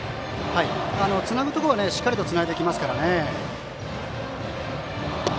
つなぐところはしっかりとつないできますからね。